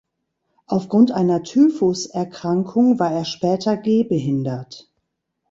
Aufgrund einer Typhus-Erkrankung war er später gehbehindert.